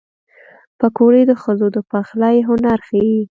پکورې د ښځو د پخلي هنر ښيي